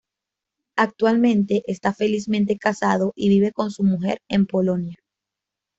Actualmente está felizmente casado y vive con su mujer en Polonia.